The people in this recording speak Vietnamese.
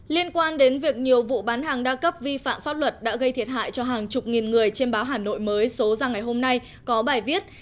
liên quan đến việc nhiều vụ bán hàng đa cấp vi phạm pháp luật đã gây thiệt hại cho hàng chục nghìn người trên báo hà nội mới số ra ngày hôm nay có bài viết